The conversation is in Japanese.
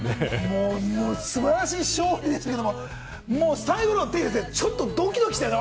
素晴らしい勝利でしたけれども、最後のほう、てぃ先生、ドキドキしたよね。